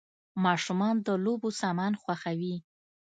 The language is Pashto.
ماشومان د لوبو سامان خوښوي .